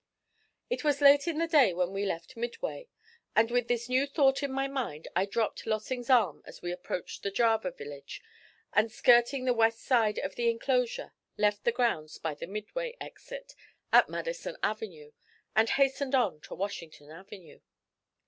It was late in the day when we left Midway, and with this new thought in my mind I dropped Lossing's arm as we approached the Java village, and skirting the west side of the inclosure, left the grounds by the Midway exit at Madison Avenue, and hastened on to Washington Avenue.